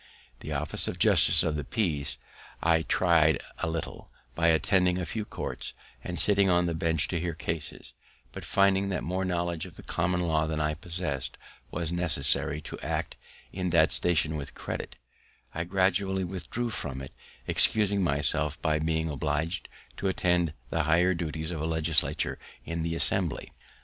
The office of justice of the peace I try'd a little, by attending a few courts, and sitting on the bench to hear causes; but finding that more knowledge of the common law than I possess'd was necessary to act in that station with credit, I gradually withdrew from it, excusing myself by my being oblig'd to attend the higher duties of a legislator in the Assembly.